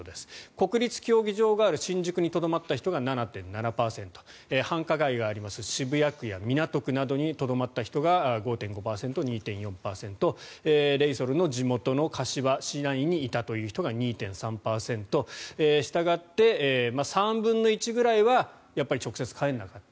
国立競技場がある新宿にとどまった人が７．７％繁華街がある渋谷区や港区などにとどまった人が５．５％、２．４％レイソルの地元の柏市内にいた人が２．３％したがって、３分の１ぐらいはやっぱり直接帰らなかった。